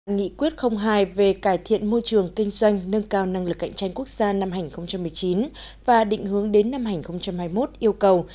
nghị quyết hai về cải thiện môi trường kinh doanh nâng cao năng lực cạnh tranh quốc gia năm hai nghìn một mươi chín và định hướng đến năm hai nghìn hai mươi một yêu cầu